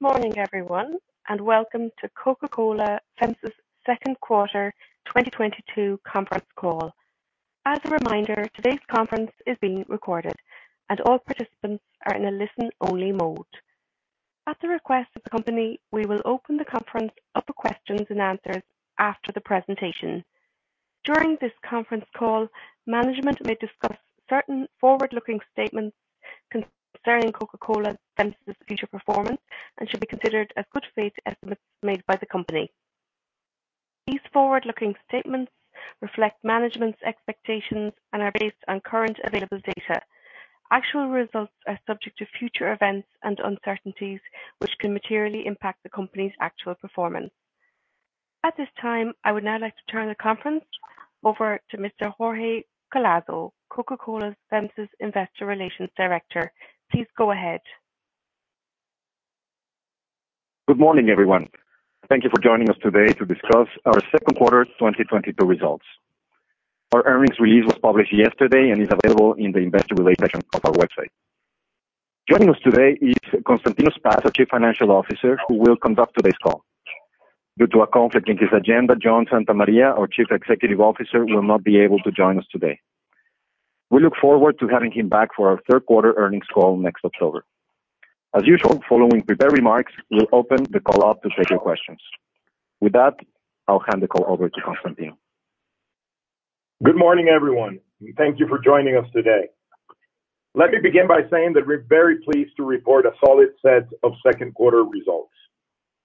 Good morning, everyone, and welcome to Coca-Cola FEMSA's second quarter 2022 conference call. As a reminder, today's conference is being recorded, and all participants are in a listen-only mode. At the request of the company, we will open the conference up for questions and answers after the presentation. During this conference call, management may discuss certain forward-looking statements concerning Coca-Cola FEMSA's future performance and should be considered as good faith estimates made by the company. These forward-looking statements reflect management's expectations and are based on current available data. Actual results are subject to future events and uncertainties, which can materially impact the company's actual performance. At this time, I would now like to turn the conference over to Mr. Jorge Collazo, Coca-Cola FEMSA's Investor Relations Director. Please go ahead. Good morning, everyone. Thank you for joining us today to discuss our second quarter 2022 results. Our earnings release was published yesterday and is available in the investor relations of our website. Joining us today is Constantinos Spas, our Chief Financial Officer, who will conduct today's call. Due to a conflict in his agenda, John Santa Maria, our Chief Executive Officer, will not be able to join us today. We look forward to having him back for our third quarter earnings call next October. As usual, following prepared remarks, we'll open the call up to take your questions. With that, I'll hand the call over to Constantino. Good morning, everyone, and thank you for joining us today. Let me begin by saying that we're very pleased to report a solid set of second quarter results.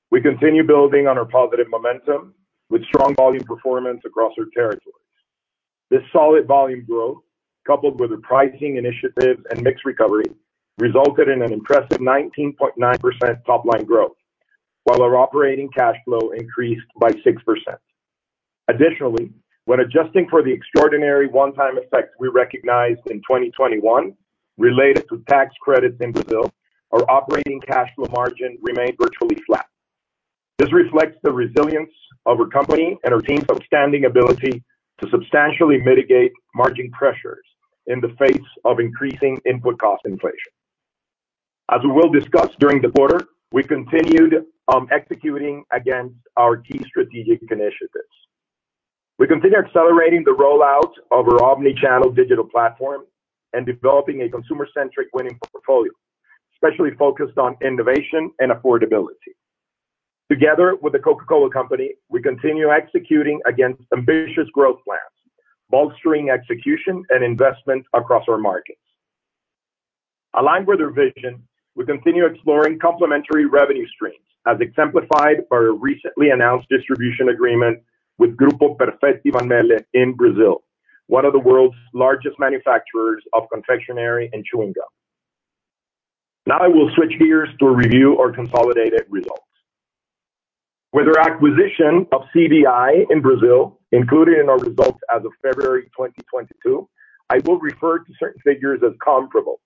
We continue building on our positive momentum with strong volume performance across our territories. This solid volume growth, coupled with the pricing initiatives and mix recovery, resulted in an impressive 19.9% top line growth, while our operating cash flow increased by 6%. Additionally, when adjusting for the extraordinary one-time effects we recognized in 2021 related to tax credits in Brazil, our operating cash flow margin remained virtually flat. This reflects the resilience of our company and our team's outstanding ability to substantially mitigate margin pressures in the face of increasing input cost inflation. As we will discuss during the quarter, we continued executing against our key strategic initiatives. We continued accelerating the rollout of our omni-channel digital platform and developing a consumer-centric winning portfolio, especially focused on innovation and affordability. Together with the Coca-Cola Company, we continue executing against ambitious growth plans, bolstering execution and investment across our markets. Aligned with our vision, we continue exploring complementary revenue streams, as exemplified by our recently announced distribution agreement with Perfetti Van Melle in Brazil, one of the world's largest manufacturers of confectionery and chewing gum. Now I will switch gears to review our consolidated results. With our acquisition of CVI in Brazil, included in our results as of February 2022, I will refer to certain figures as comparable,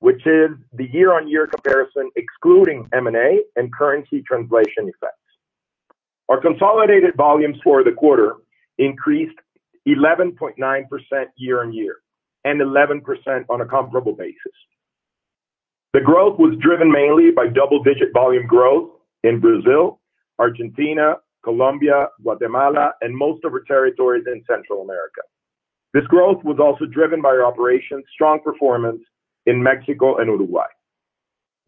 which is the year-on-year comparison, excluding M&A and currency translation effects. Our consolidated volumes for the quarter increased 11.9% year on year and 11% on a comparable basis. The growth was driven mainly by double-digit volume growth in Brazil, Argentina, Colombia, Guatemala, and most of our territories in Central America. This growth was also driven by our operations' strong performance in Mexico and Uruguay.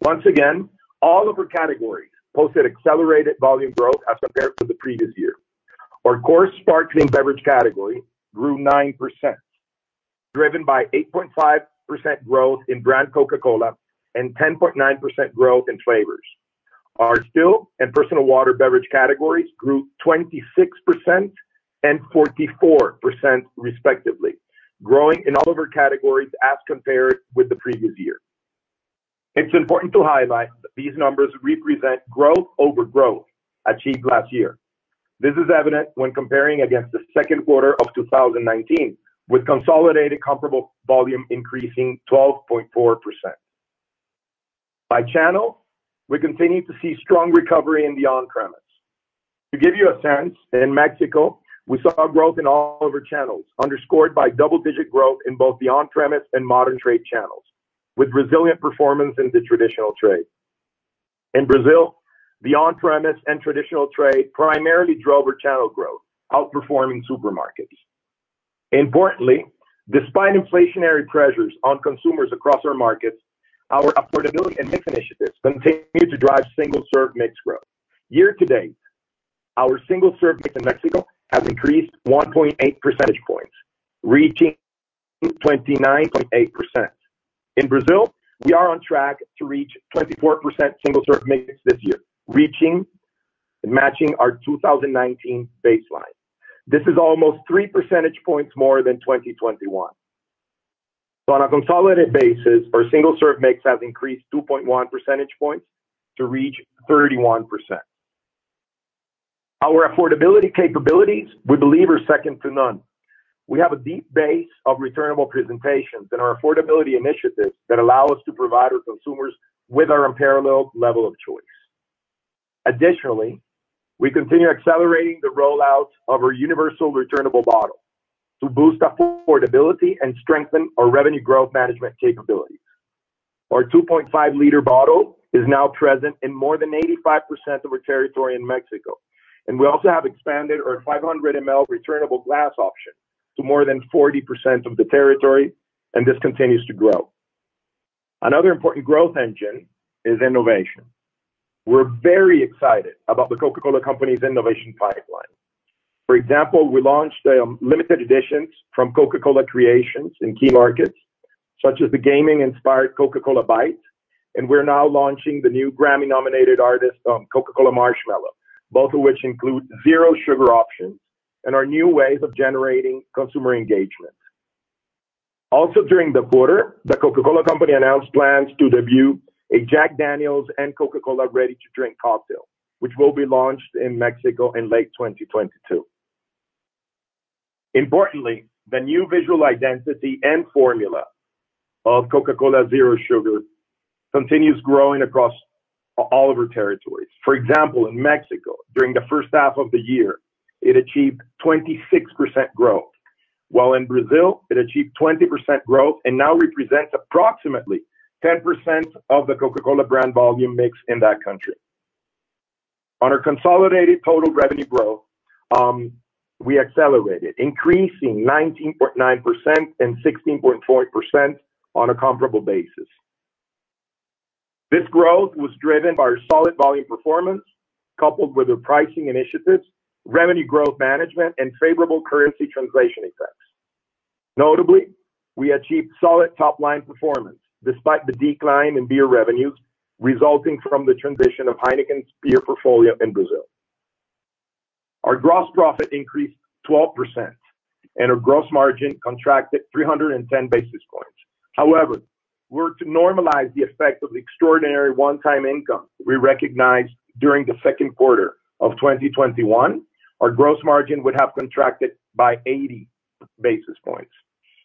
Once again, all of our categories posted accelerated volume growth as compared to the previous year. Our core sparkling beverage category grew 9%, driven by 8.5% growth in brand Coca-Cola and 10.9% growth in flavors. Our still and personal water beverage categories grew 26% and 44%, respectively, growing in all of our categories as compared with the previous year. It's important to highlight that these numbers represent growth over growth achieved last year. This is evident when comparing against the second quarter of 2019, with consolidated comparable volume increasing 12.4%. By channel, we continue to see strong recovery in the on-premise. To give you a sense, in Mexico, we saw growth in all of our channels, underscored by double-digit growth in both the on-premise and modern trade channels, with resilient performance in the traditional trade. In Brazil, the on-premise and traditional trade primarily drove our channel growth, outperforming supermarkets. Importantly, despite inflationary pressures on consumers across our markets, our affordability and mix initiatives continued to drive single-serve mix growth. Year to date, our single-serve mix in Mexico has increased 1.8 percentage points, reaching 29.8%. In Brazil, we are on track to reach 24% single-serve mix this year, reaching and matching our 2019 baseline. This is almost 3 percentage points more than 2021. So on a consolidated basis, our single-serve mix has increased 2.1 percentage points to reach 31%. Our affordability capabilities, we believe, are second to none. We have a deep base of returnable presentations and our affordability initiatives that allow us to provide our consumers with our unparalleled level of choice. Additionally, we continue accelerating the rollout of our universal returnable bottle to boost affordability and strengthen our Revenue Growth Management capabilities. Our 2.5-liter bottle is now present in more than 85% of our territory in Mexico, and we also have expanded our 500 mL returnable glass option to more than 40% of the territory, and this continues to grow. Another important growth engine is innovation. We're very excited about The Coca-Cola Company's innovation pipeline. For example, we launched limited editions from Coca-Cola Creations in key markets, such as the gaming-inspired Coca-Cola Byte, and we're now launching the new Grammy-nominated artist on Coca-Cola Marshmello, both of which include zero sugar options and are new ways of generating consumer engagement. Also, during the quarter, the Coca-Cola Company announced plans to debut a Jack Daniel's and Coca-Cola ready-to-drink cocktail, which will be launched in Mexico in late 2022. Importantly, the new visual identity and formula of Coca-Cola Zero Sugar continues growing across all of our territories. For example, in Mexico, during the first half of the year, it achieved 26% growth, while in Brazil, it achieved 20% growth and now represents approximately 10% of the Coca-Cola brand volume mix in that country. On our consolidated total revenue growth, we accelerated, increasing 19.9% and 16.4% on a comparable basis. This growth was driven by our solid volume performance, coupled with the pricing initiatives, revenue growth management, and favorable currency translation effects. Notably, we achieved solid top-line performance despite the decline in beer revenues resulting from the transition of Heineken's beer portfolio in Brazil. Our gross profit increased 12% and our gross margin contracted 310 basis points. However, were to normalize the effect of the extraordinary one-time income we recognized during the second quarter of 2021, our gross margin would have contracted by 80 basis points.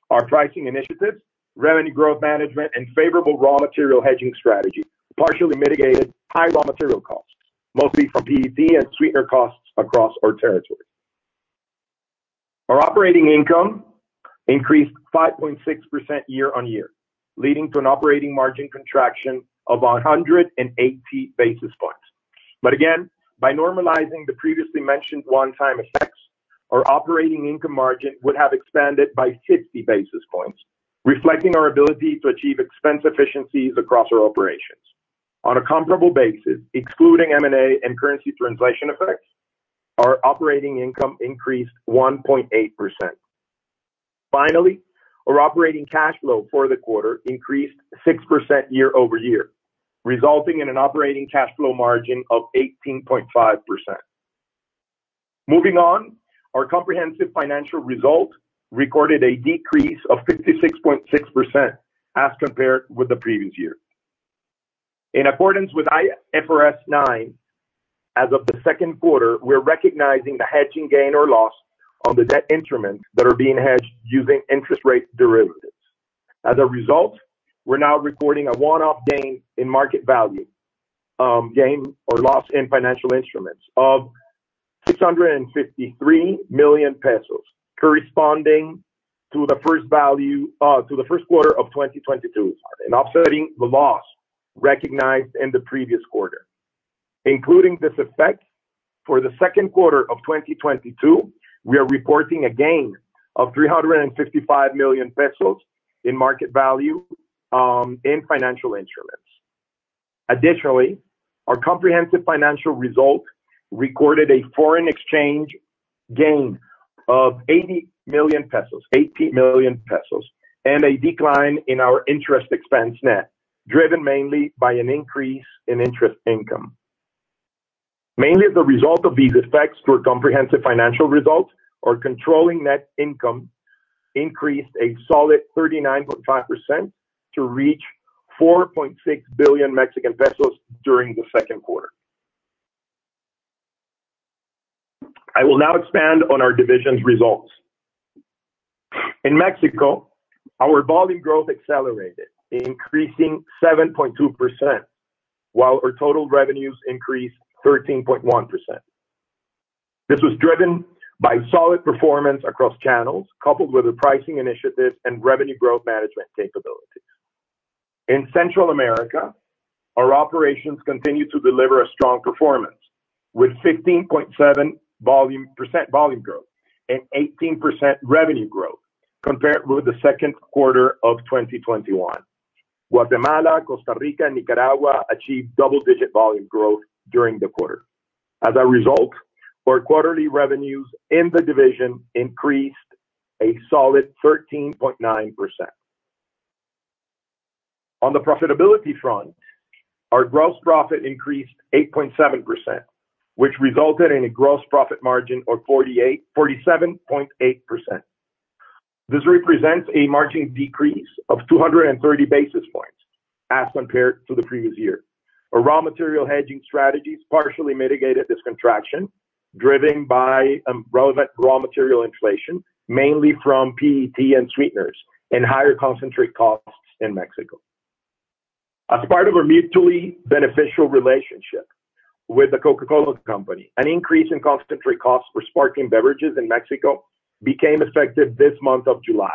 Our pricing initiatives, revenue growth management, and favorable raw material hedging strategy partially mitigated high raw material costs, mostly from PET and sweetener costs across our territories. Our operating income increased 5.6% year on year, leading to an operating margin contraction of 180 basis points. But again, by normalizing the previously mentioned one-time effects, our operating income margin would have expanded by 60 basis points, reflecting our ability to achieve expense efficiencies across our operations. On a comparable basis, excluding M&A and currency translation effects, our operating income increased 1.8%. Finally, our operating cash flow for the quarter increased 6% year over year, resulting in an operating cash flow margin of 18.5%. Moving on, our comprehensive financial result recorded a decrease of 56.6% as compared with the previous year. In accordance with IFRS 9, as of the second quarter, we're recognizing the hedging gain or loss on the debt instruments that are being hedged using interest rate derivatives. As a result, we're now recording a one-off gain in market value, gain or loss in financial instruments of 653 million pesos, corresponding to the fair value to the first quarter of 2022 and offsetting the loss recognized in the previous quarter. Including this effect, for the second quarter of 2022, we are reporting a gain of 355 million pesos in market value, in financial instruments. Additionally, our comprehensive financial result recorded a foreign exchange gain of 80 million pesos, and a decline in our net interest expense, driven mainly by an increase in interest income. Mainly as a result of these effects to our comprehensive financial results, our consolidated net income increased a solid 39.5% to reach 4.6 billion Mexican pesos during the second quarter. I will now expand on our divisions results. In Mexico, our volume growth accelerated, increasing 7.2%, while our total revenues increased 13.1%. This was driven by solid performance across channels, coupled with the pricing initiatives and revenue growth management capabilities. In Central America, our operations continued to deliver a strong performance, with 15.7% volume growth and 18% revenue growth compared with the second quarter of 2021. Guatemala, Costa Rica, Nicaragua achieved double-digit volume growth during the quarter. As a result, our quarterly revenues in the division increased a solid 13.9%. On the profitability front, our gross profit increased 8.7%, which resulted in a gross profit margin of 47.8%. This represents a margin decrease of two hundred and thirty basis points as compared to the previous year. Our raw material hedging strategies partially mitigated this contraction, driven by relevant raw material inflation, mainly from PET and sweeteners and higher concentrate costs in Mexico. As part of a mutually beneficial relationship with the Coca-Cola Company, an increase in concentrate costs for sparkling beverages in Mexico became effective this month of July.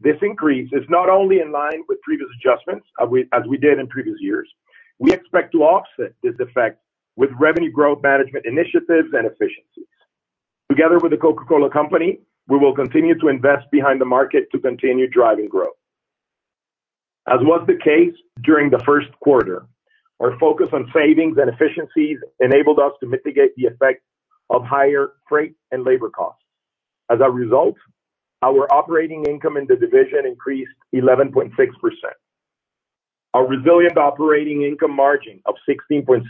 This increase is not only in line with previous adjustments, as we did in previous years, we expect to offset this effect with revenue growth management initiatives and efficiencies. Together with the Coca-Cola Company, we will continue to invest behind the market to continue driving growth. As was the case during the first quarter, our focus on savings and efficiencies enabled us to mitigate the effect of higher freight and labor costs. As a result, our operating income in the division increased 11.6%. Our resilient operating income margin of 16.6%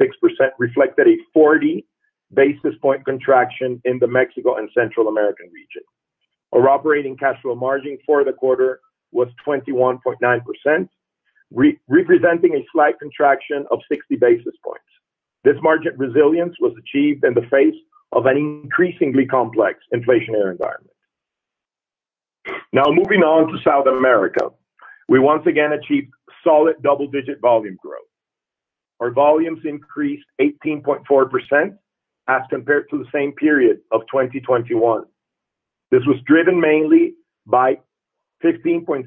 reflected a 40 basis point contraction in the Mexico and Central America region. Our operating cash flow margin for the quarter was 21.9%, representing a slight contraction of 60 basis points. This margin resilience was achieved in the face of an increasingly complex inflationary environment. Now, moving on to South America, we once again achieved solid double-digit volume growth. Our volumes increased 18.4% as compared to the same period of 2021. This was driven mainly by 15.6%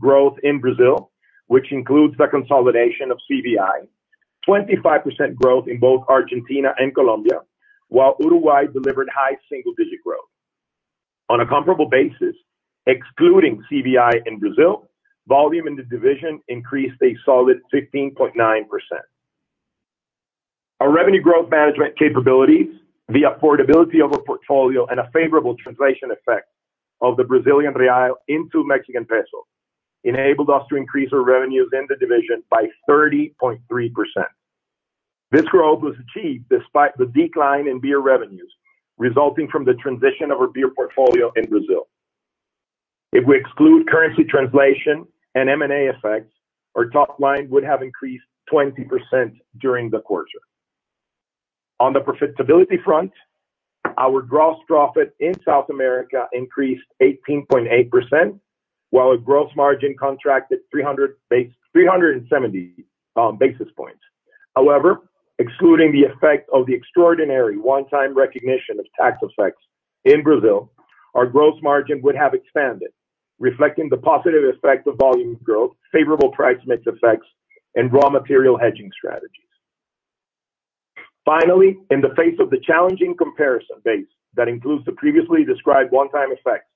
growth in Brazil, which includes the consolidation of CVI, 25% growth in both Argentina and Colombia, while Uruguay delivered high single-digit growth. On a comparable basis, excluding CVI in Brazil, volume in the division increased a solid 15.9%. Our revenue growth management capabilities, the affordability of our portfolio, and a favorable translation effect of the Brazilian real into Mexican peso, enabled us to increase our revenues in the division by 30.3%. This growth was achieved despite the decline in beer revenues, resulting from the transition of our beer portfolio in Brazil. If we exclude currency translation and M&A effects, our top line would have increased 20% during the quarter. On the profitability front, our gross profit in South America increased 18.8%, while our gross margin contracted 370 basis points. However, excluding the effect of the extraordinary one-time recognition of tax effects in Brazil, our gross margin would have expanded, reflecting the positive effect of volume growth, favorable price mix effects, and raw material hedging strategies. Finally, in the face of the challenging comparison base that includes the previously described one-time effects,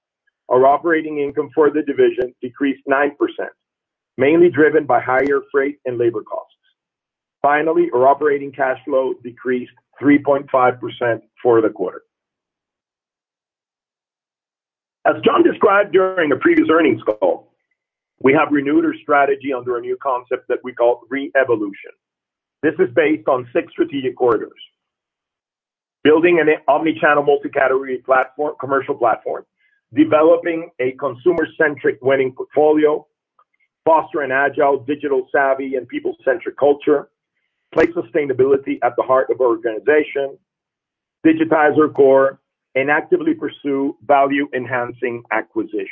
our operating income for the division decreased 9%, mainly driven by higher freight and labor costs. Finally, our operating cash flow decreased 3.5% for the quarter. As John described during the previous earnings call, we have renewed our strategy under a new concept that we call Re-Evolution. This is based on six strategic corridors: building an omni-channel, multi-category platform, commercial platform, developing a consumer-centric winning portfolio, foster an agile, digital savvy, and people-centric culture, place sustainability at the heart of our organization, digitize our core, and actively pursue value-enhancing acquisitions.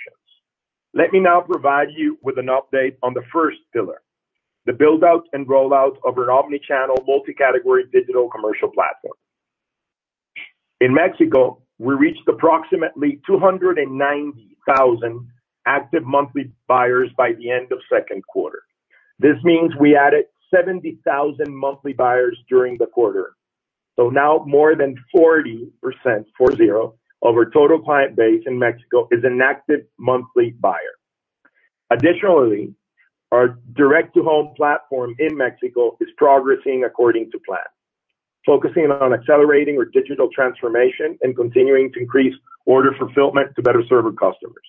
Let me now provide you with an update on the first pillar, the build-out and rollout of an omni-channel, multi-category digital commercial platform. In Mexico, we reached approximately 290,000 active monthly buyers by the end of second quarter. This means we added 70,000 monthly buyers during the quarter. So now more than 40% of our total client base in Mexico is an active monthly buyer. Additionally, our direct-to-home platform in Mexico is progressing according to plan, focusing on accelerating our digital transformation and continuing to increase order fulfillment to better serve our customers.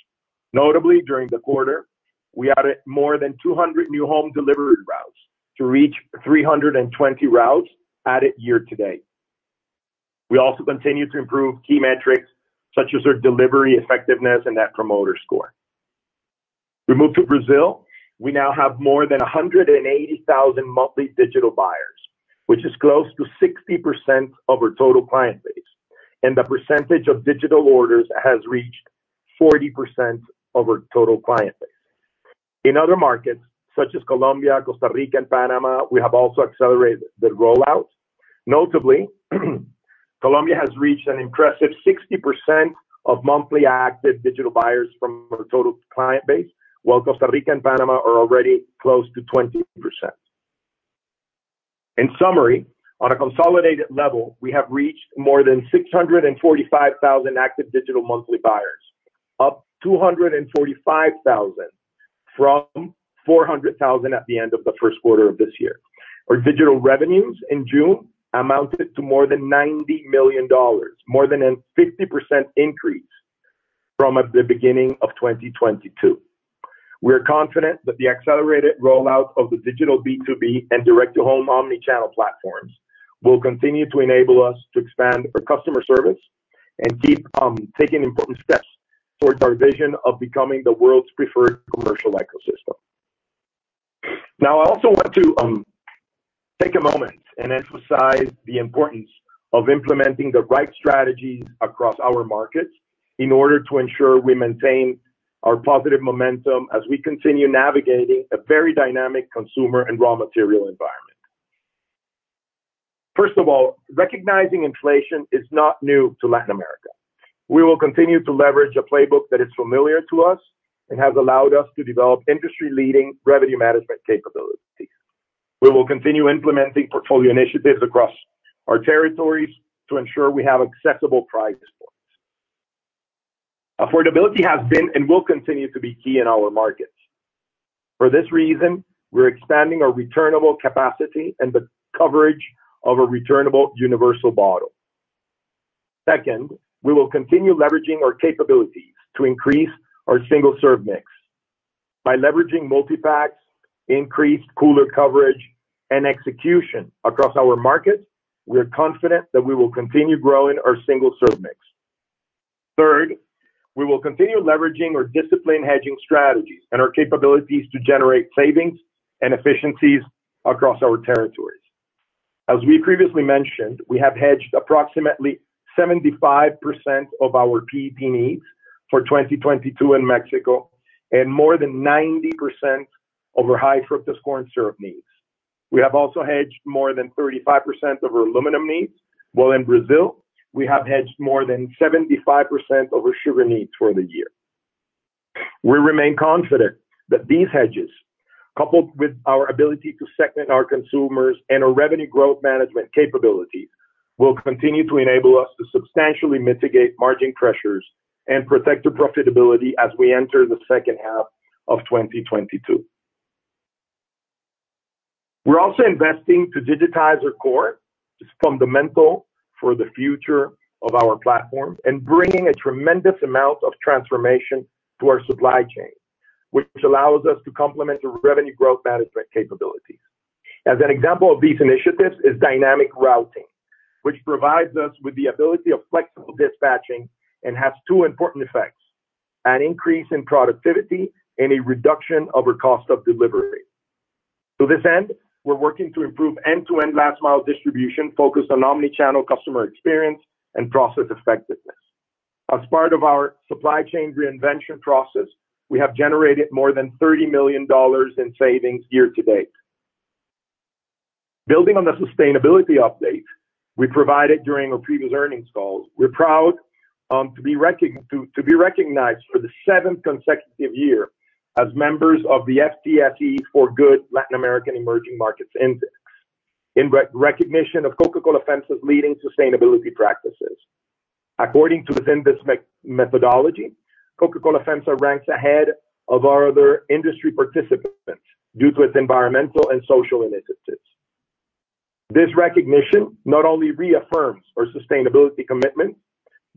Notably, during the quarter, we added more than 200 new home delivery routes to reach 320 routes added year to date. We also continue to improve key metrics such as our delivery effectiveness and Net Promoter Score. We move to Brazil. We now have more than a hundred and eighty thousand monthly digital buyers, which is close to 60% of our total client base, and the percentage of digital orders has reached 40% of our total client base. In other markets, such as Colombia, Costa Rica, and Panama, we have also accelerated the rollout. Notably, Colombia has reached an impressive 60% of monthly active digital buyers from our total client base, while Costa Rica and Panama are already close to 20%. In summary, on a consolidated level, we have reached more than six hundred and forty-five thousand active digital monthly buyers, up two hundred and forty-five thousand from four hundred thousand at the end of the first quarter of this year. Our digital revenues in June amounted to more than $90 million, more than a 50% increase from at the beginning of 2022. We are confident that the accelerated rollout of the digital B2B and direct-to-home omni-channel platforms will continue to enable us to expand our customer service and keep taking important steps towards our vision of becoming the world's preferred commercial ecosystem. Now, I also want to take a moment and emphasize the importance of implementing the right strategies across our markets in order to ensure we maintain our positive momentum as we continue navigating a very dynamic consumer and raw material environment. First of all, recognizing inflation is not new to Latin America. We will continue to leverage a playbook that is familiar to us and has allowed us to develop industry-leading revenue management capabilities. We will continue implementing portfolio initiatives across our territories to ensure we have accessible price points. Affordability has been and will continue to be key in our markets. For this reason, we're expanding our returnable capacity and the coverage of a returnable universal bottle. Second, we will continue leveraging our capabilities to increase our single-serve mix. By leveraging multi-packs, increased cooler coverage, and execution across our markets, we are confident that we will continue growing our single-serve mix. Third, we will continue leveraging our disciplined hedging strategies and our capabilities to generate savings and efficiencies across our territories. As we previously mentioned, we have hedged approximately 75% of our PET needs for 2022 in Mexico, and more than 90% over high fructose corn syrup needs. We have also hedged more than 35% of our aluminum needs, while in Brazil, we have hedged more than 75% over sugar needs for the year. We remain confident that these hedges, coupled with our ability to segment our consumers and our revenue growth management capabilities, will continue to enable us to substantially mitigate margin pressures and protect the profitability as we enter the second half of 2022. We're also investing to digitize our core. It's fundamental for the future of our platform and bringing a tremendous amount of transformation to our supply chain, which allows us to complement the revenue growth management capabilities. As an example of these initiatives is dynamic routing, which provides us with the ability of flexible dispatching and has two important effects: an increase in productivity and a reduction of our cost of delivery. To this end, we're working to improve end-to-end last mile distribution, focused on omni-channel customer experience and process effectiveness. As part of our supply chain reinvention process, we have generated more than $30 million in savings year-to-date. Building on the sustainability update we provided during our previous earnings calls, we're proud to be recognized for the seventh consecutive year as members of the FTSE4Good Latin American Emerging Markets Index, in recognition of Coca-Cola FEMSA's leading sustainability practices. According to this methodology, Coca-Cola FEMSA ranks ahead of our other industry participants due to its environmental and social initiatives. This recognition not only reaffirms our sustainability commitment,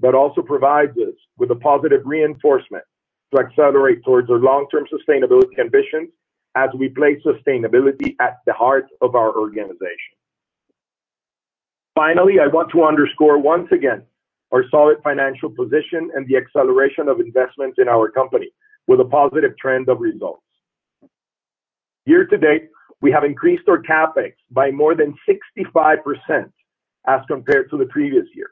but also provides us with a positive reinforcement to accelerate towards our long-term sustainability ambitions as we place sustainability at the heart of our organization. Finally, I want to underscore once again our solid financial position and the acceleration of investments in our company with a positive trend of results. Year-to-date, we have increased our CapEx by more than 65% as compared to the previous year.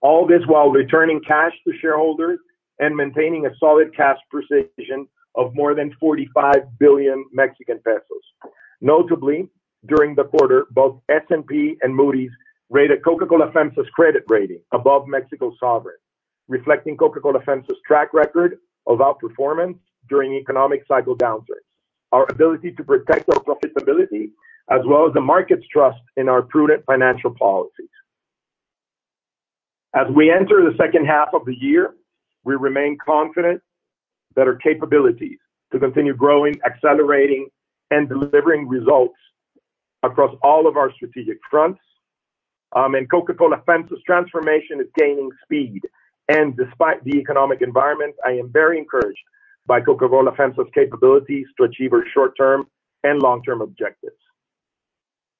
All this while returning cash to shareholders and maintaining a solid cash position of more than 45 billion Mexican pesos. Notably, during the quarter, both S&P and Moody's rated Coca-Cola FEMSA's credit rating above Mexico Sovereign, reflecting Coca-Cola FEMSA's track record of outperformance during economic cycle downturns, our ability to protect our profitability, as well as the market's trust in our prudent financial policies. As we enter the second half of the year, we remain confident that our capabilities to continue growing, accelerating, and delivering results across all of our strategic fronts, and Coca-Cola FEMSA's transformation is gaining speed. And despite the economic environment, I am very encouraged by Coca-Cola FEMSA's capabilities to achieve our short-term and long-term objectives.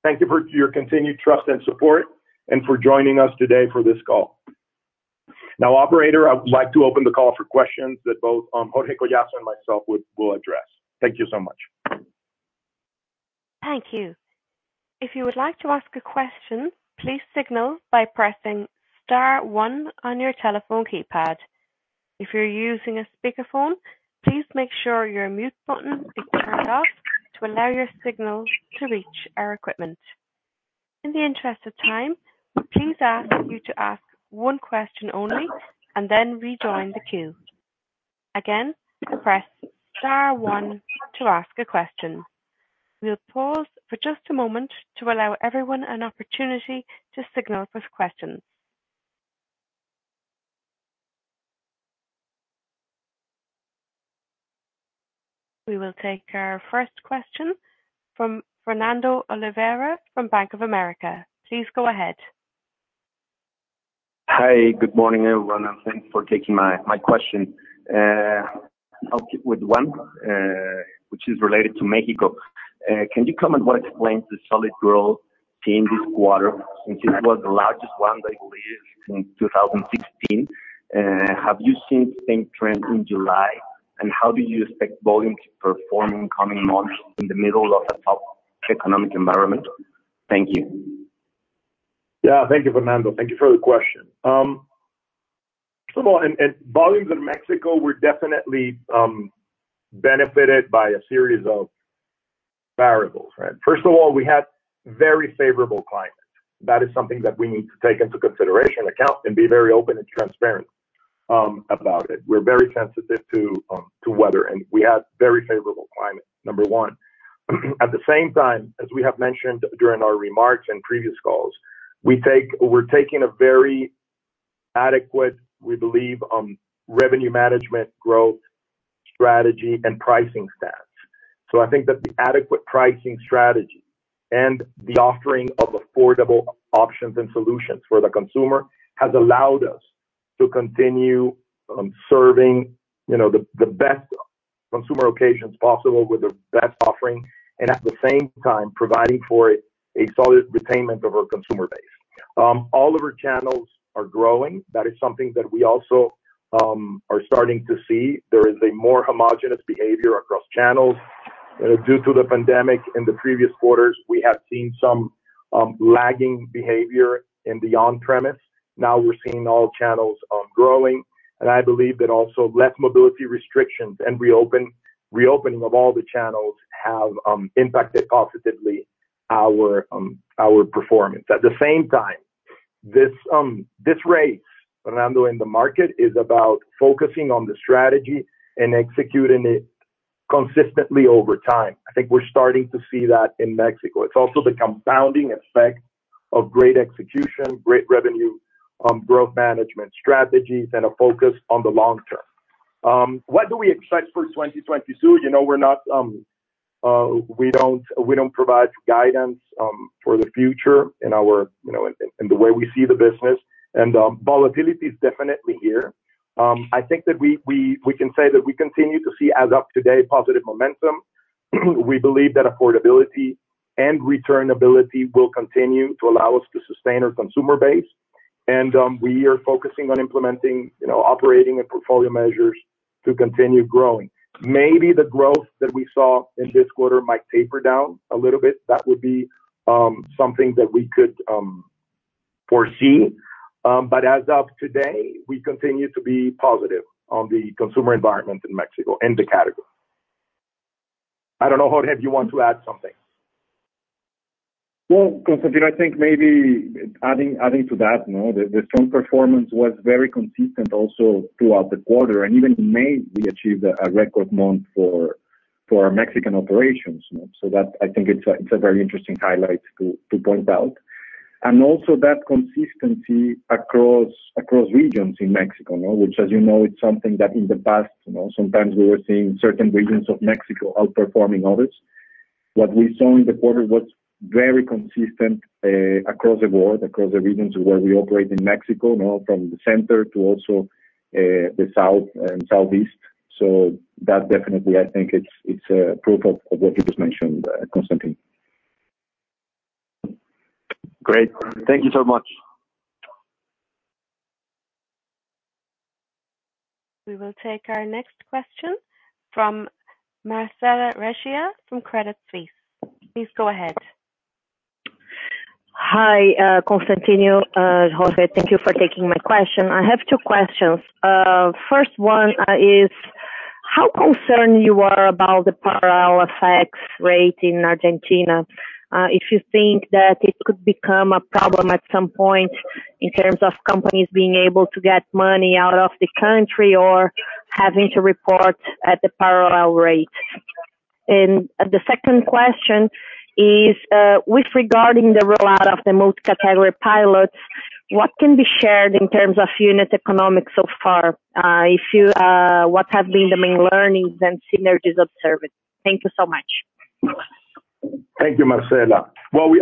Thank you for your continued trust and support, and for joining us today for this call. Now, operator, I would like to open the call for questions that both, Jorge Collazo and myself will address. Thank you so much. Thank you. If you would like to ask a question, please signal by pressing star one on your telephone keypad. If you're using a speakerphone, please make sure your mute button is turned off to allow your signal to reach our equipment. In the interest of time, we ask you to ask one question only, and then rejoin the queue. Again, press star one to ask a question. We'll pause for just a moment to allow everyone an opportunity to signal for questions. We will take our first question from Fernando Ferreira, from Bank of America. Please go ahead. Hi, good morning, everyone, and thanks for taking my question. I'll keep with one, which is related to Mexico. Can you comment what explains the solid growth seen this quarter, since it was the largest one, I believe, since 2016. Have you seen the same trend in July? How do you expect volume to perform in coming months in the middle of a tough economic environment? Thank you. Yeah, thank you, Fernando. Thank you for the question. First of all, and volumes in Mexico were definitely benefited by a series of variables, right? First of all, we had very favorable climate. That is something that we need to take into consideration, account, and be very open and transparent about it. We're very sensitive to weather, and we had very favorable climate, number one. At the same time, as we have mentioned during our remarks in previous calls, we're taking a very adequate, we believe, revenue management growth strategy and pricing stance. I think that the adequate pricing strategy and the offering of affordable options and solutions for the consumer has allowed us to continue serving the best consumer occasions possible with the best offering, and at the same time, providing for a solid retention of our consumer base. All of our channels are growing. That is something that we also are starting to see. There is a more homogeneous behavior across channels. Due to the pandemic in the previous quarters, we have seen some lagging behavior in the on-premise. Now we're seeing all channels growing, and I believe that also less mobility restrictions and reopening of all the channels have impacted positively our performance. At the same time, this race, Fernando, in the market, is about focusing on the strategy and executing it consistently over time. I think we're starting to see that in Mexico. It's also the compounding effect of great execution, great revenue growth management strategies, and a focus on the long term. What do we expect for 2022? We're not, we don't provide guidance for the future in our in the way we see the business. Volatility is definitely here. I think that we can say that we continue to see, as of today, positive momentum. We believe that affordability and returnability will continue to allow us to sustain our consumer base. We are focusing on implementing operating and portfolio measures to continue growing. Maybe the growth that we saw in this quarter might taper down a little bit. That would be, something that we could, foresee. But as of today, we continue to be positive on the consumer environment in Mexico and the category. I don't know, Jorge, if you want to add something? Constantino, I think maybe adding to that the strong performance was very consistent also throughout the quarter. Even in May, we achieved a record month for our Mexican operations. That, I think it's a very interesting highlight to point out. Also that consistency across regions in Mexico which as it's something that in the past sometimes we were seeing certain regions of Mexico outperforming others. What we saw in the quarter was very consistent across the board, across the regions where we operate in Mexico from the center to also the south and southeast. That definitely, I think it's proof of what you just mentioned, Constantino. Great. Thank you so much. We will take our next question from Marcella Recchia from Credit Suisse. Please go ahead. Hi, Constantino, Jorge. Thank you for taking my question. I have two questions. First one, is: How concerned you are about the parallel exchange rate in Argentina? If you think that it could become a problem at some point in terms of companies being able to get money out of the country, or having to report at the parallel rate? The second question is, with regarding the rollout of the multi-category pilots, what can be shared in terms of unit economics so far? If you, what have been the main learnings and synergies observed? Thank you so much. Thank you, Marcela. Well,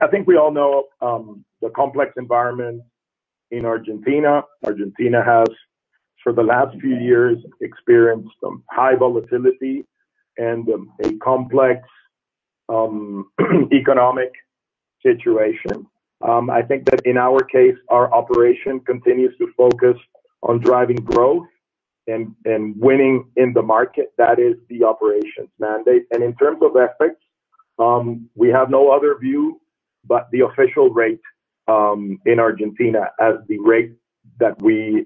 I think we all know the complex environment in Argentina. Argentina has, for the last few years, experienced some high volatility and a complex economic situation. I think that in our case, our operation continues to focus on driving growth and winning in the market. That is the operations mandate. In terms of effects, we have no other view, but the official rate in Argentina as the rate that we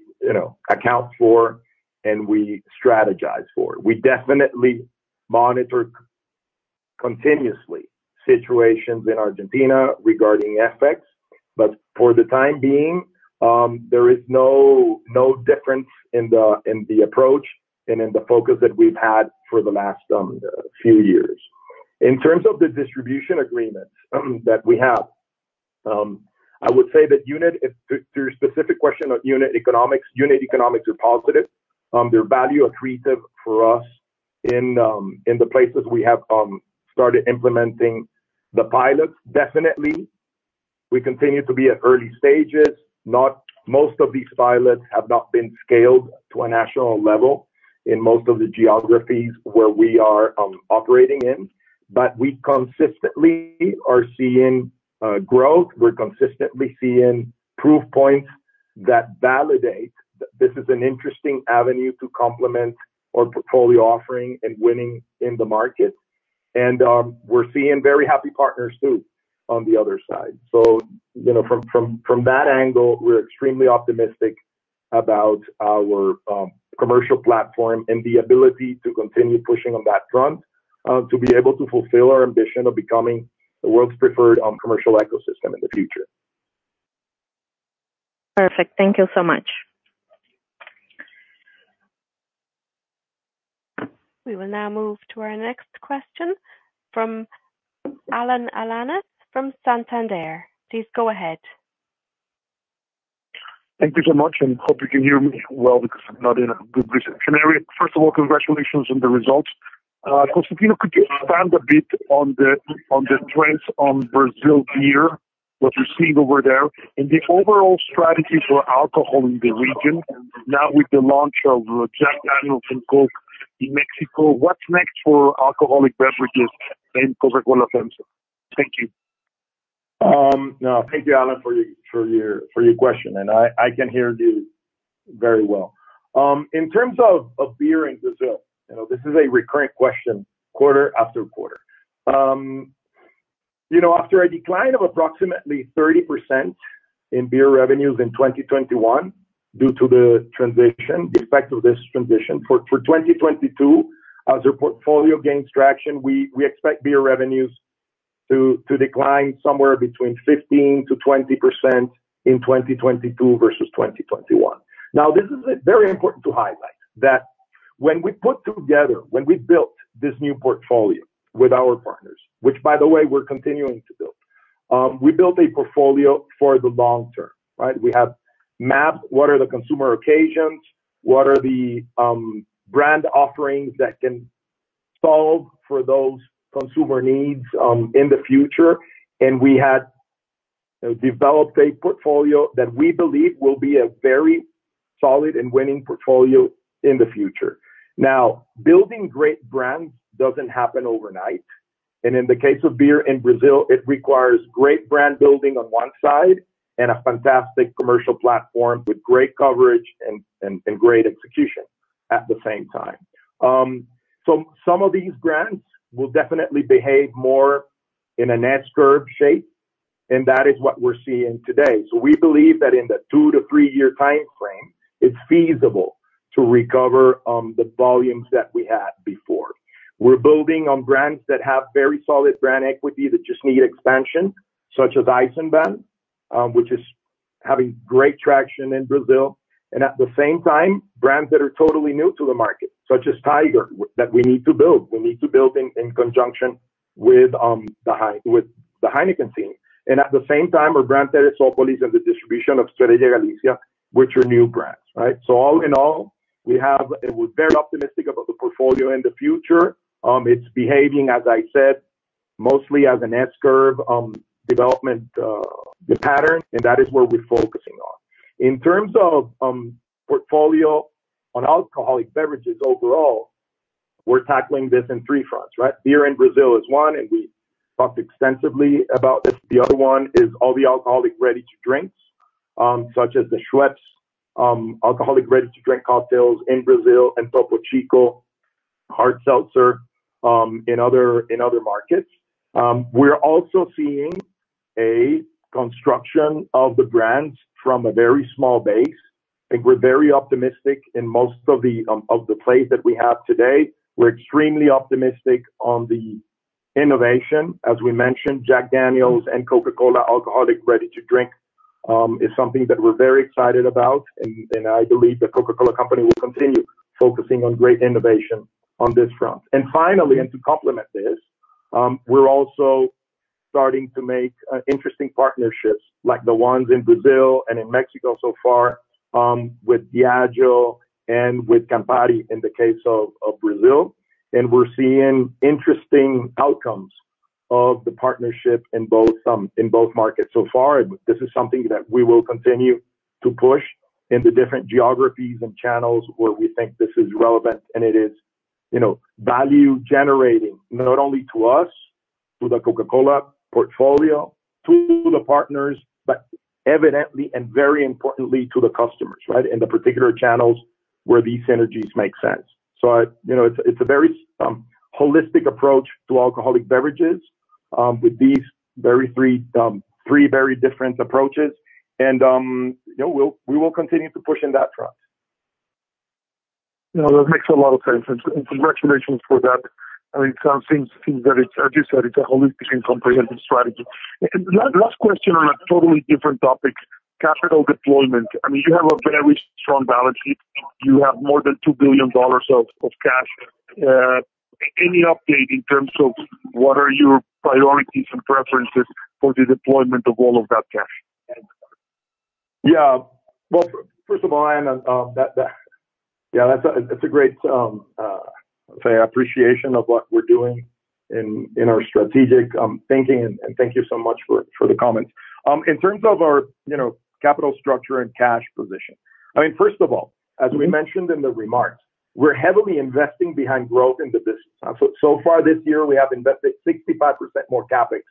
account for and we strategize for. We definitely monitor continuously situations in Argentina regarding effects. For the time being, there is no difference in the approach and in the focus that we've had for the last few years. In terms of the distribution agreements that we have, I would say to your specific question on unit economics, unit economics are positive. They're value accretive for us in the places we have started implementing the pilots, definitely. We continue to be at early stages, most of these pilots have not been scaled to a national level in most of the geographies where we are operating in. We consistently are seeing growth. We're consistently seeing proof points that validate that this is an interesting avenue to complement our portfolio offering and winning in the market. We're seeing very happy partners, too, on the other side. From that angle, we're extremely optimistic about our commercial platform and the ability to continue pushing on that front, to be able to fulfill our ambition of becoming the world's preferred commercial ecosystem in the future. Perfect. Thank you so much. We will now move to our next question from Alan Alanis from Santander. Please go ahead. Thank you so much, and hope you can hear me well because I'm not in a good reception area. First of all, congratulations on the results. Constantino, could you expand a bit on the trends on Brazil beer, what you're seeing over there, and the overall strategy for alcohol in the region? Now, with the launch of Jack Daniel's and Coke in Mexico, what's next for alcoholic beverages in Coca-Cola FEMSA? Thank you. Thank you, Alan, for your question, and I can hear you very well. In terms of beer in Brazil this is a recurrent question, quarter after quarter. After a decline of approximately 30% in beer revenues in 2021 due to the transition, the effect of this transition, for 2022, as our portfolio gains traction, we expect beer revenues to decline somewhere between 15%-20% in 2022 versus 2021. Now, this is very important to highlight, that when we put together, when we built this new portfolio with our partners, which, by the way, we're continuing to build, we built a portfolio for the long term, right? We have mapped what are the consumer occasions, what are the brand offerings that can solve for those consumer needs in the future, and we had developed a portfolio that we believe will be a very solid and winning portfolio in the future. Now, building great brands doesn't happen overnight, and in the case of beer in Brazil, it requires great brand building on one side and a fantastic commercial platform with great coverage and great execution at the same time, so some of these brands will definitely behave more in an S-curve shape, and that is what we're seeing today, so we believe that in the two- to three-year timeframe, it's feasible to recover the volumes that we had before. We're building on brands that have very solid brand equity, that just need expansion, such as Eisenbahn, which is having great traction in Brazil, and at the same time, brands that are totally new to the market, such as Tiger, that we need to build. We need to build in conjunction with the Heineken team. At the same time, our brand, Therezópolis, and the distribution of Estrella Galicia, which are new brands, right? So all in all, we have... We're very optimistic about the portfolio in the future. It's behaving, as I said, mostly as an S-curve development pattern, and that is where we're focusing on. In terms of portfolio on alcoholic beverages overall, we're tackling this in three fronts, right? Beer in Brazil is one, and we talked extensively about this. The other one is all the alcoholic ready-to-drinks, such as the Schweppes, alcoholic ready-to-drink cocktails in Brazil, and Topo Chico Hard Seltzer, in other markets. We're also seeing consumption of the brands from a very small base, and we're very optimistic in most of the places that we have today. We're extremely optimistic on the innovation. As we mentioned, Jack Daniel's and Coca-Cola alcoholic ready-to-drink is something that we're very excited about, and I believe the Coca-Cola Company will continue focusing on great innovation on this front. And finally, to complement this, we're also starting to make interesting partnerships like the ones in Brazil and in Mexico so far, with Diageo and with Campari, in the case of Brazil. We're seeing interesting outcomes of the partnership in both markets so far. This is something that we will continue to push in the different geographies and channels where we think this is relevant, and it is value generating, not only to us, to the Coca-Cola portfolio, to the partners, but evidently and very importantly, to the customers, right? In the particular channels where these synergies make sense. It's a very holistic approach to alcoholic beverages with these three very different approaches. We will continue to push in that front. No, that makes a lot of sense. And congratulations for that. I mean, it seems very. As you said, it's a holistic and comprehensive strategy. Last question on a totally different topic: capital deployment. I mean, you have a very strong balance sheet. You have more than $2 billion of cash. Any update in terms of what are your priorities and preferences for the deployment of all of that cash? Well, first of all, that, yeah, that's a great appreciation of what we're doing in our strategic thinking, and thank you so much for the comments. In terms of our capital structure and cash position, I mean, first of all, as we mentioned in the remarks, we're heavily investing behind growth in the business. So far this year, we have invested 65% more CapEx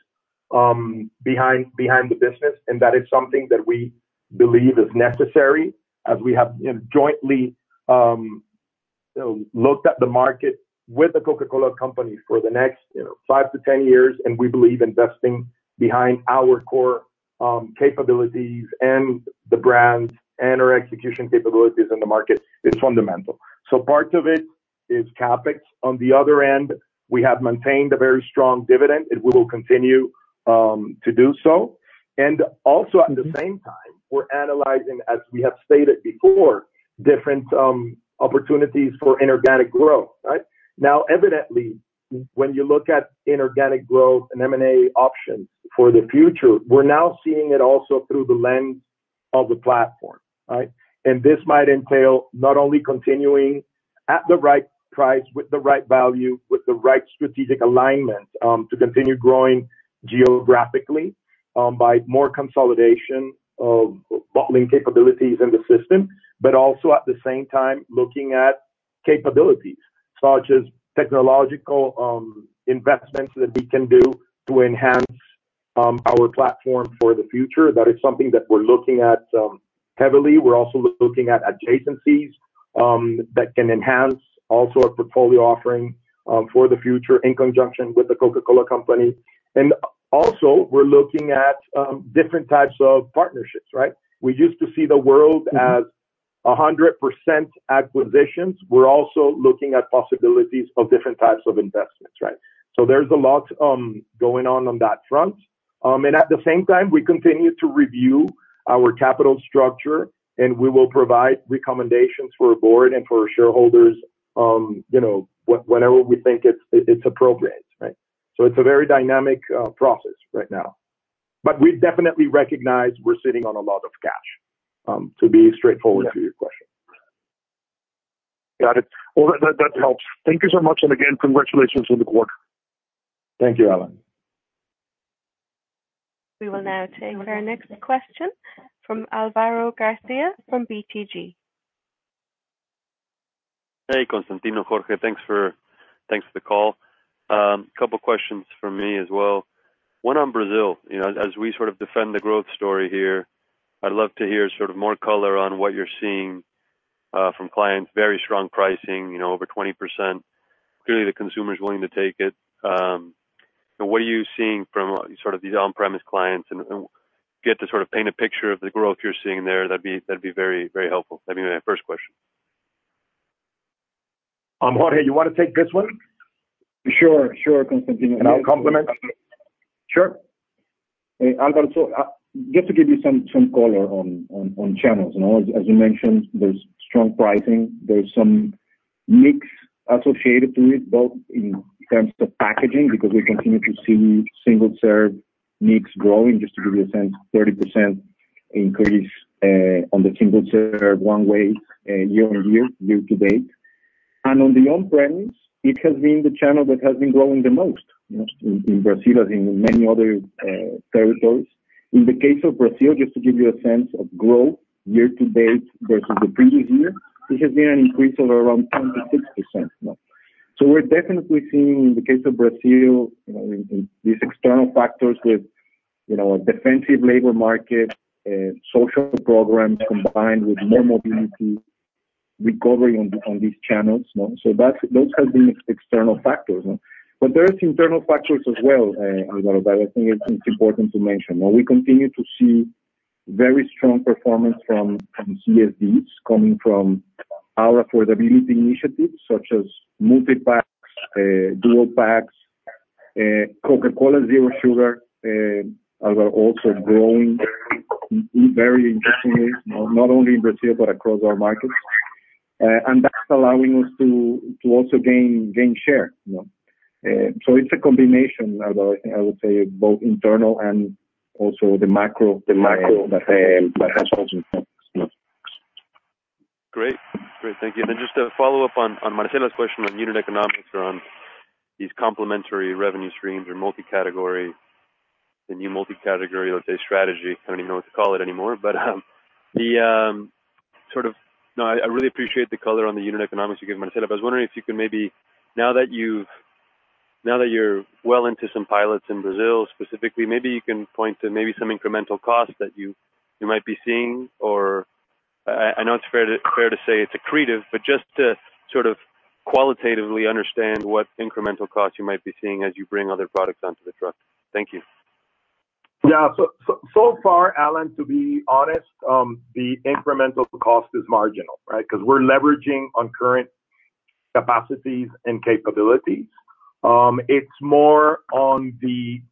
behind the business, and that is something that we believe is necessary as we have jointly looked at the market with the Coca-Cola Company for the next five to ten years, and we believe investing behind our core capabilities and the brands and our execution capabilities in the market is fundamental. Part of it is CapEx. On the other end, we have maintained a very strong dividend, and we will continue to do so. Also, at the same time, we're analyzing, as we have stated before, different opportunities for inorganic growth, right? Now, evidently, when you look at inorganic growth and M&A options for the future, we're now seeing it also through the lens of the platform, right? This might entail not only continuing at the right price, with the right value, with the right strategic alignment, to continue growing geographically, by more consolidation of bottling capabilities in the system, but also, at the same time, looking at capabilities such as technological investments that we can do to enhance our platform for the future. That is something that we're looking at heavily. We're also looking at adjacencies that can enhance also our portfolio offering for the future in conjunction with the Coca-Cola Company. Also, we're looking at different types of partnerships, right? We used to see the world as 100% acquisitions. We're also looking at possibilities of different types of investments, right? There's a lot going on that front. At the same time, we continue to review our capital structure, and we will provide recommendations for our board and for our shareholders whenever we think it's appropriate, right? It's a very dynamic process right now. We definitely recognize we're sitting on a lot of cash to be straightforward to your question. Got it. Well, that, that helps. Thank you so much, and again, congratulations on the quarter. Thank you, Alan. We will now take our next question from Álvaro García from BTG. Hey, Constantino, Jorge, thanks for the call. Couple questions from me as well. One on Brazil. As we defend the growth story here, I'd love to hear more color on what you're seeing from clients, very strong pricing over 20%. Clearly, the consumer is willing to take it. What are you seeing from these on-premise clients and get to paint a picture of the growth you're seeing there? That'd be very, very helpful. That'd be my first question. Jorge, you wanna take this one? Sure, sure, Constantino. I'll complement. Sure. Hey, Álvaro, so just to give you some color on channels as you mentioned, there's strong pricing. There's some mix associated to it, both in terms of packaging, because we continue to see single-serve mix growing, just to give you a sense, 30% increase on the single-serve one way year-on-year year to date. On the on-premise, it has been the channel that has been growing the most in Brazil, as in many other territories. In the case of Brazil, just to give you a sense of growth year to date versus the previous year, this has been an increase of around 26%. We're definitely seeing, in the case of Brazil these external factors with a defensive labor market, social programs combined with more mobility, recovery on these channels. That's those have been external factors, no? There is internal factors as well, Álvaro, that I think it's important to mention. Now, we continue to see very strong performance from CSDs, coming from our affordability initiatives, such as multi-packs, dual packs, Coca-Cola Zero Sugar, Álvaro, also growing very interestingly, not only in Brazil, but across our markets. That's allowing us to also gain share? It's a combination, Álvaro, I think I would say, both internal and also the macro- The macro that has also Great. Great, thank you. Then just a follow-up on Marcela's question on unit economics or on these complementary revenue streams or multi-category, the new multi-category, let's say, strategy. I don't even know what to call it anymore, but no, I really appreciate the color on the unit economics you gave Marcela. I was wondering if you could maybe, now that you're well into some pilots in Brazil, specifically, maybe you can point to maybe some incremental costs that you might be seeing, or I know it's fair to say it's accretive, but just to qualitatively understand what incremental costs you might be seeing as you bring other products onto the truck. Thank you. Yeah. So far, Alan, to be honest, the incremental cost is marginal, right? 'Cause we're leveraging on current capacities and capabilities. It's more on the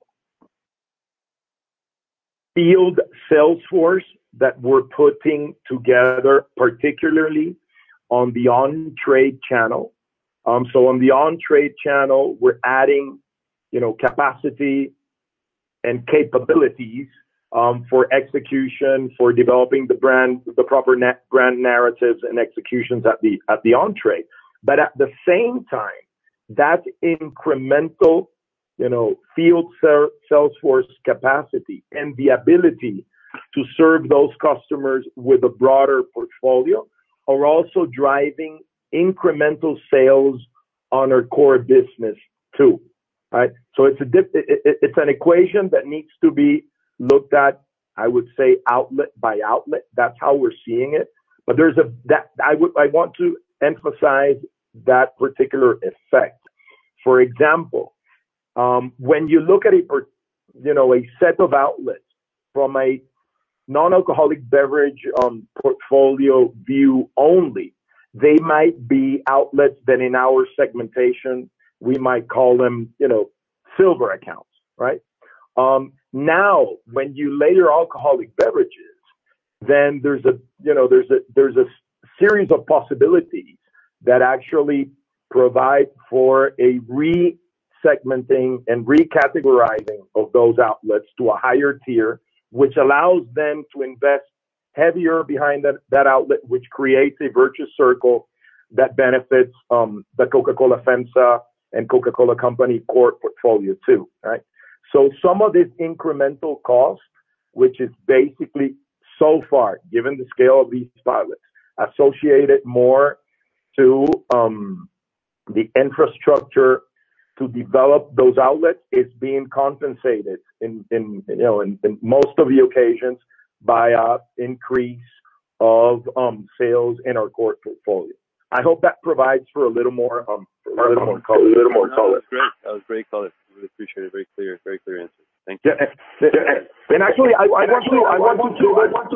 field sales force that we're putting together, particularly on the on-trade channel. On the on-trade channel, we're adding capacity and capabilities for execution, for developing the brand, the proper brand narratives and executions at the entry. At the same time, that incremental, field salesforce capacity and the ability to serve those customers with a broader portfolio, are also driving incremental sales on our core business too, right? It's an equation that needs to be looked at, I would say, outlet by outlet. That's how we're seeing it. There's that I want to emphasize that particular effect. For example, when you look at it a set of outlets from a non-alcoholic beverage portfolio view only, they might be outlets that in our segmentation, we might call them silver accounts, right? Now, when you layer alcoholic beverages, then there's a series of possibilities that actually provide for a re-segmenting and recategorizing of those outlets to a higher tier, which allows them to invest heavier behind that outlet, which creates a virtuous circle that benefits the Coca-Cola FEMSA and Coca-Cola Company core portfolio, too, right? Some of this incremental cost, which is basically, so far, given the scale of these pilots, associated more to the infrastructure to develop those outlets, is being compensated in most of the occasions by an increase of sales in our core portfolio. I hope that provides for a little more color. That was great. That was great color. Really appreciate it. Very clear, very clear answer. Thank you. Yeah, actually, I want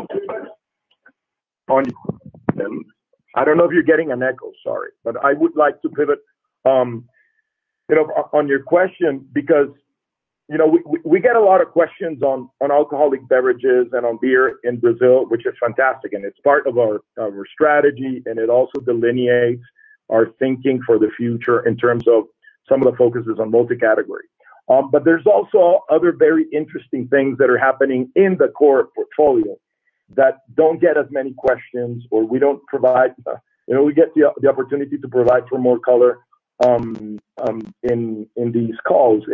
to on. I don't know if you're getting an echo, sorry. I would like to pivot on your question, because we get a lot of questions on alcoholic beverages and on beer in Brazil, which is fantastic, and it's part of our strategy, and it also delineates our thinking for the future in terms of some of the focuses on multicategory. There's also other very interesting things that are happening in the core portfolio that don't get as many questions or we don't provide. We get the opportunity to provide for more color in these calls.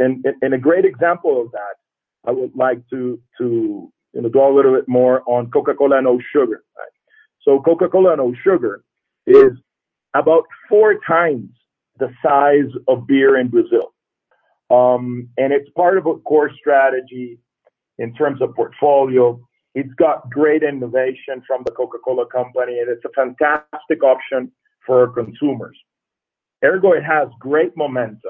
A great example of that, I would like to go a little bit more on Coca-Cola No Sugar. Coca-Cola No Sugar is about four times the size of beer in Brazil. It's part of a core strategy in terms of portfolio. It's got great innovation from the Coca-Cola Company, and it's a fantastic option for our consumers. Ergo, it has great momentum.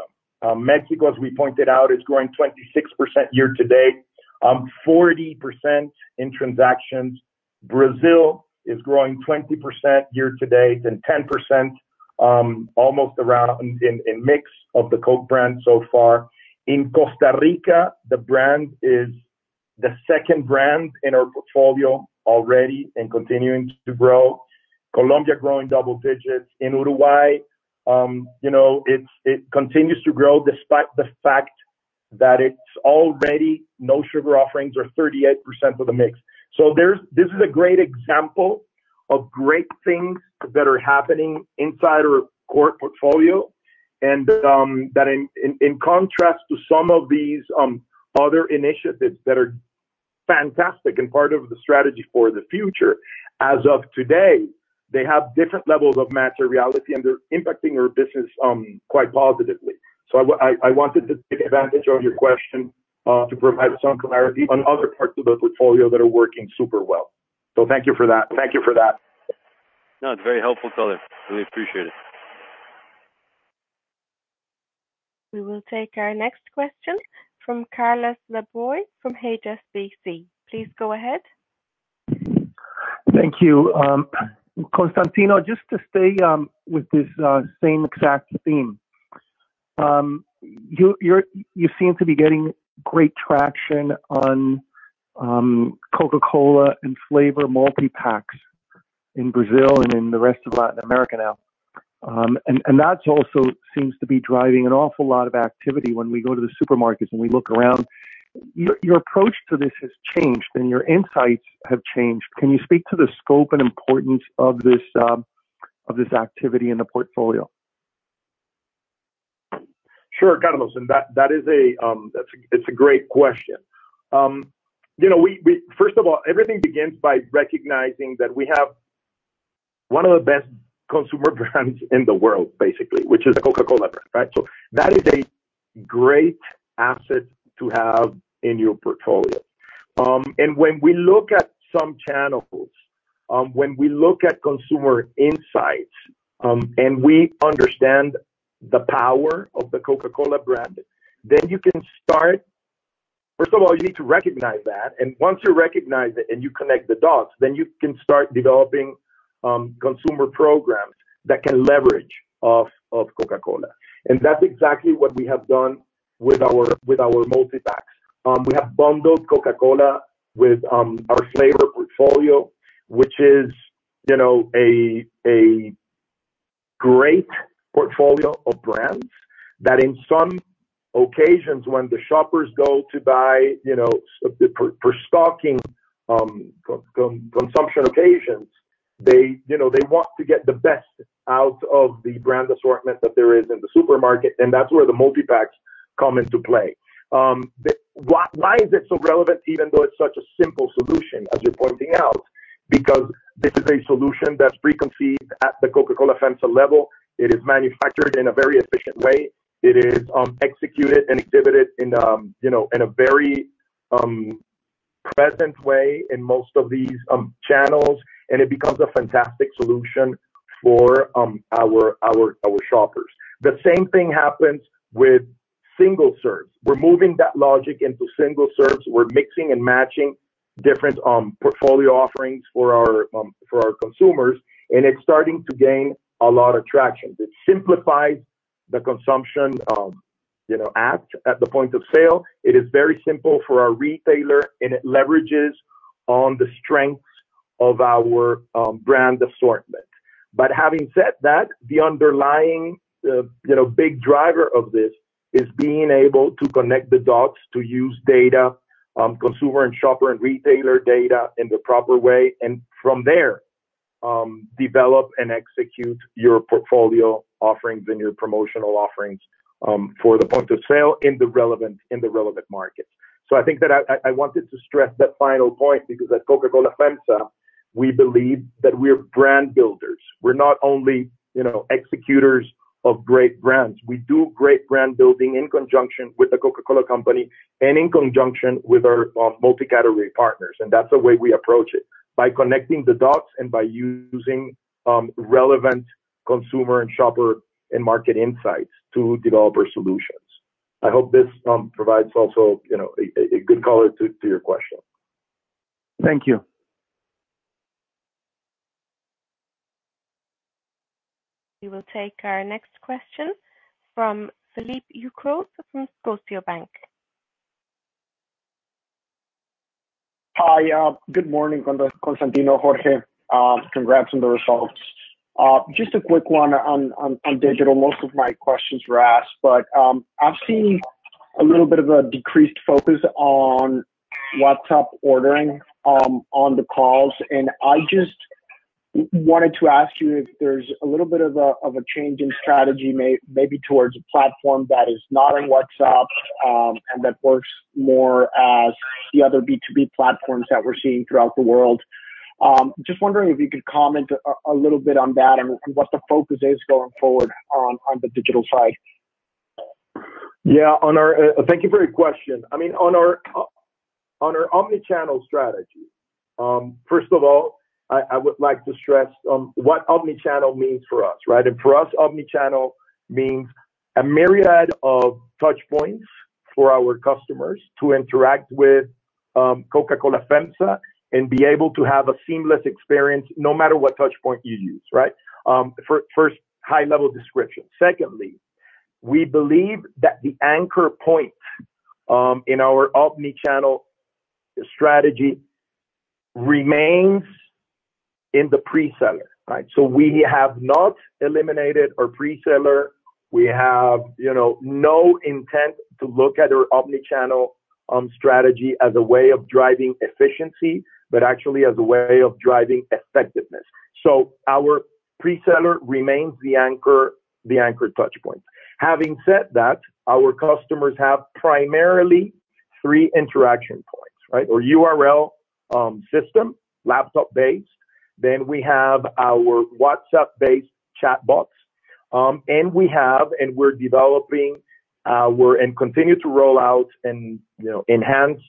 Mexico, as we pointed out, is growing 26% year to date, 40% in transactions. Brazil is growing 20% year to date and 10% almost around in mix of the Coke brand so far. In Costa Rica, the brand is the second brand in our portfolio already and continuing to grow. Colombia growing double digits. In Uruguay, it continues to grow despite the fact that it's already No Sugar offerings are 38% of the mix. This is a great example of great things that are happening inside our core portfolio, and that in contrast to some of these other initiatives that are fantastic and part of the strategy for the future, as of today, they have different levels of maturity, reality, and they're impacting our business quite positively. I wanted to take advantage of your question to provide some clarity on other parts of the portfolio that are working super well. Thank you for that. No, it's very helpful color. Really appreciate it. We will take our next question from Carlos Laboy, from HSBC. Please go ahead. Thank you. Constantino, just to stay with this same exact theme. You seem to be getting great traction on Coca-Cola and flavor multi-packs in Brazil and in the rest of Latin America now. That's also seems to be driving an awful lot of activity when we go to the supermarkets and we look around. Your approach to this has changed and your insights have changed. Can you speak to the scope and importance of this activity in the portfolio? Sure, Carlos, and that is a great question. First of all, everything begins by recognizing that we have one of the best consumer brands in the world, basically, which is the Coca-Cola brand, right? That is a great asset to have in your portfolio. When we look at some channels, when we look at consumer insights, and we understand the power of the Coca-Cola brand, then you can start. First of all, you need to recognize that, and once you recognize it and you connect the dots, then you can start developing consumer programs that can leverage off of Coca-Cola. That's exactly what we have done with our multi-packs. We have bundled Coca-Cola with our flavor portfolio, which is great portfolio of brands, that in some occasions when the shoppers go to buy for stocking consumption occasions, they want to get the best out of the brand assortment that there is in the supermarket, and that's where the multipacks come into play. The why is it so relevant, even though it's such a simple solution, as you're pointing out? This is a solution that's preconceived at the Coca-Cola FEMSA level. It is manufactured in a very efficient way. It is executed and exhibited in a very present way in most of these channels, and it becomes a fantastic solution for our shoppers. The same thing happens with single serves. We're moving that logic into single serves. We're mixing and matching different portfolio offerings for our consumers, and it's starting to gain a lot of traction. It simplifies the consumption act at the point of sale. It is very simple for our retailer, and it leverages on the strengths of our brand assortment. Having said that, the underlying big driver of this is being able to connect the dots, to use data, consumer and shopper and retailer data in the proper way, and from there, develop and execute your portfolio offerings and your promotional offerings, for the point of sale in the relevant markets. I think that I wanted to stress that final point, because at Coca-Cola FEMSA, we believe that we're brand builders. We're not only executors of great brands. We do great brand building in conjunction with the Coca-Cola Company and in conjunction with our multi-category partners, and that's the way we approach it, by connecting the dots and by using relevant consumer and shopper and market insights to develop our solutions. I hope this provides also a good color to your question. Thank you. We will take our next question from Felipe Ucros from Scotiabank. Hi, good morning, Constantino, Jorge. Congrats on the results. Just a quick one on digital. Most of my questions were asked, but I've seen a little bit of a decreased focus on WhatsApp ordering on the calls, and I just wanted to ask you if there's a little bit of a change in strategy maybe towards a platform that is not on WhatsApp, and that works more as the other B2B platforms that we're seeing throughout the world. Just wondering if you could comment a little bit on that and what the focus is going forward on the digital side? Yeah. Thank you for your question. I mean, on our omnichannel strategy, first of all, I would like to stress what omnichannel means for us, right, and for us, omnichannel means a myriad of touchpoints for our customers to interact with Coca-Cola FEMSA and be able to have a seamless experience no matter what touchpoint you use, right? First, high-level description. Secondly, we believe that the anchor point in our omnichannel strategy remains in the pre-seller, right? So we have not eliminated our pre-seller. We have no intent to look at our omnichannel strategy as a way of driving efficiency, but actually as a way of driving effectiveness, so our pre-seller remains the anchor touchpoint. Having said that, our customers have primarily three interaction points, right? Our URL system, laptop-based, then we have our WhatsApp-based chatbot, and we have, and we're developing, and continue to roll out and enhance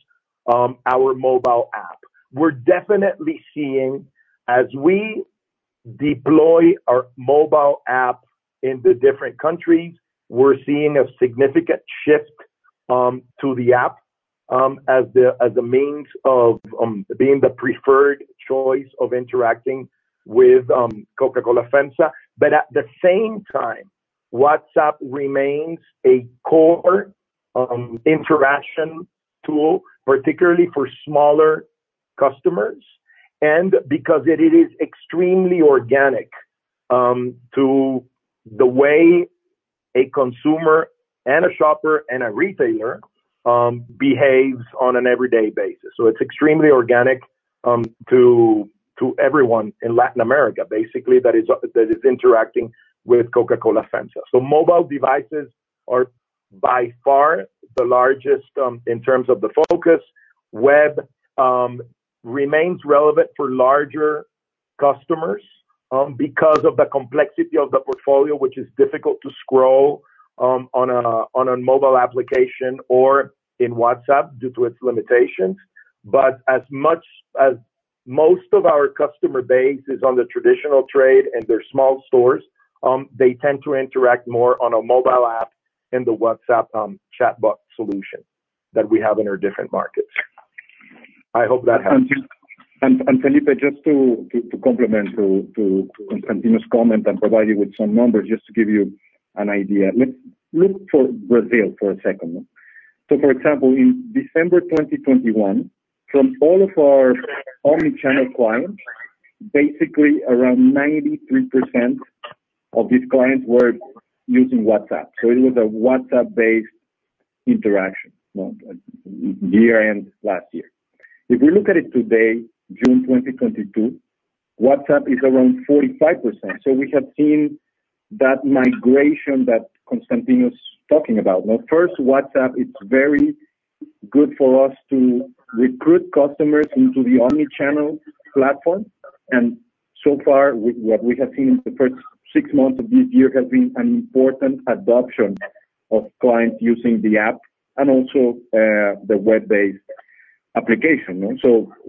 our mobile app. We're definitely seeing as we deploy our mobile app in the different countries, we're seeing a significant shift to the app as the means of being the preferred choice of interacting with Coca-Cola FEMSA. But at the same time, WhatsApp remains a core interaction tool, particularly for smaller customers, and because it is extremely organic to the way a consumer and a shopper and a retailer behaves on an everyday basis. So it's extremely organic to everyone in Latin America, basically, that is interacting with Coca-Cola FEMSA. Mobile devices are by far the largest in terms of the focus. Web remains relevant for larger customers because of the complexity of the portfolio, which is difficult to scroll on a mobile application or in WhatsApp due to its limitations. But as much as most of our customer base is on the traditional trade and they're small stores, they tend to interact more on a mobile app in the WhatsApp chatbot solution that we have in our different markets. I hope that helps. Felipe, just to complement Constantino's comment and provide you with some numbers, just to give you an idea. Let's look at Brazil for a second. For example, in December 2021, from all of our omni-channel clients, basically around 93% of these clients were using WhatsApp. It was a WhatsApp-based interaction year end last year. If we look at it today, June 2022, WhatsApp is around 45%. We have seen that migration that Constantino's talking about. Now, first, WhatsApp, it's very good for us to recruit customers into the omni-channel platform, and so far, what we have seen in the first six months of this year has been an important adoption of clients using the app and also the web-based application.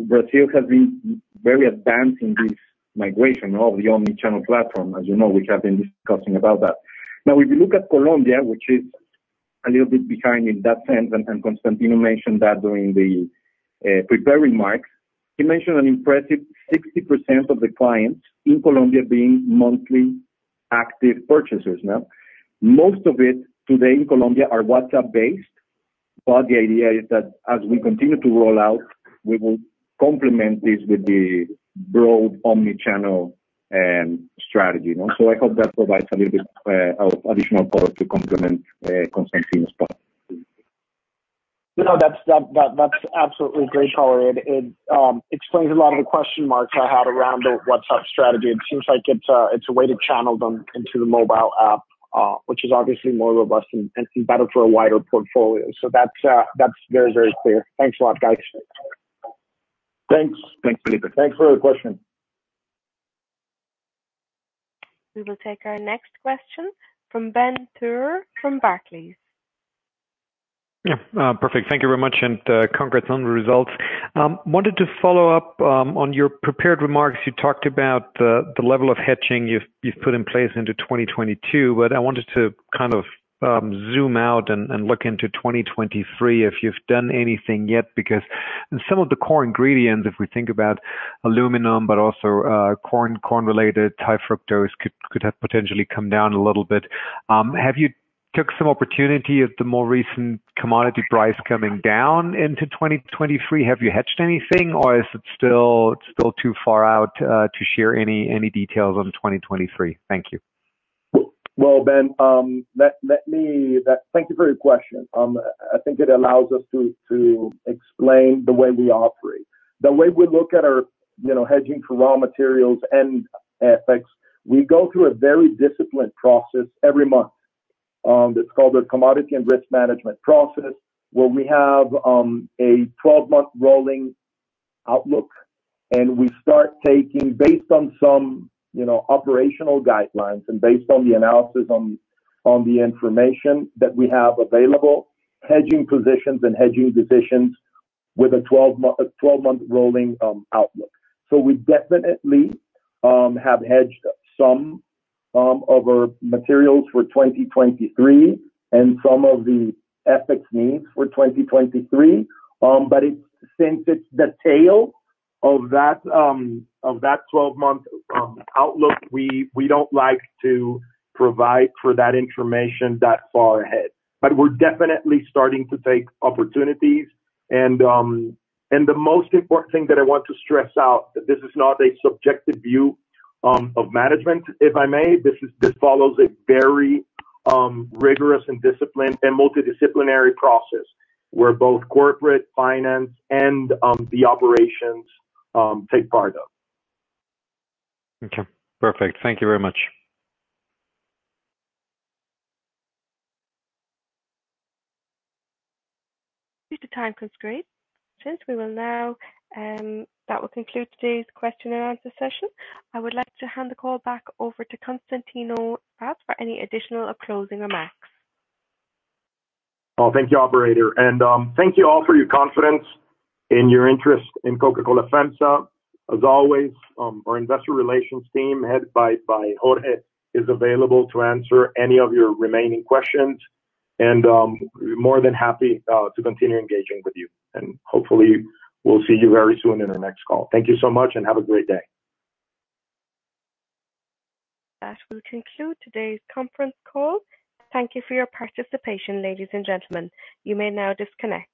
Brazil has been very advanced in this migration of the omni-channel platform. As we have been discussing about that. Now, if you look at Colombia, which is a little bit behind in that sense, and Constantino mentioned that during the prepared remarks. He mentioned an impressive 60% of the clients in Colombia being monthly active purchasers. Now, most of it today in Colombia are WhatsApp-based, but the idea is that as we continue to roll out, we will complement this with the broad omni-channel strategy? I hope that provides a little bit of additional color to complement Constantino's point. No, that's absolutely great, Jorge. It explains a lot of the question marks I had around the WhatsApp strategy. It seems like it's a way to channel them into the mobile app, which is obviously more robust and better for a wider portfolio. So that's very, very clear. Thanks a lot, guys. Thanks. Thanks, Felipee. Thanks for the question. We will take our next question from Ben Theurer, from Barclays. Yeah. Perfect. Thank you very much, and, congrats on the results. Wanted to follow up, on your prepared remarks. You talked about the level of hedging you've put in place into 2022, but I wanted to zoom out and look into 2023, if you've done anything yet, because in some of the core ingredients, if we think about aluminum, but also, corn, corn-related high fructose could have potentially come down a little bit. Have you took some opportunity at the more recent commodity price coming down into 2023? Have you hedged anything, or is it still too far out, to share any details on 2023? Thank you. Ben, let me thank you for your question. I think it allows us to explain the way we operate. The way we look at our hedging for raw materials and FX, we go through a very disciplined process every month that's called a commodity and risk management process, where we have a twelve-month rolling outlook, and we start taking, based on some operational guidelines and based on the analysis on the information that we have available, hedging positions and hedging decisions with a twelve-month rolling outlook. We definitely have hedged some of our materials for 2023 and some of the FX needs for 2023. But since it's the tail of that twelve-month outlook, we don't like to provide for that information that far ahead. We're definitely starting to take opportunities. The most important thing that I want to stress out, that this is not a subjective view of management, if I may. This is. This follows a very rigorous and disciplined and multidisciplinary process, where both corporate finance and the operations take part of. Okay. Perfect. Thank you very much. Due to time constraints, we will now. That will conclude today's question and answer session. I would like to hand the call back over to Constantino for any additional or closing remarks. Oh, thank you, operator, and thank you all for your confidence and your interest in Coca-Cola FEMSA. As always, our investor relations team, headed by Jorge, is available to answer any of your remaining questions. We're more than happy to continue engaging with you, and hopefully we'll see you very soon in our next call. Thank you so much, and have a great day. That will conclude today's conference call. Thank you for your participation, ladies and gentlemen. You may now disconnect.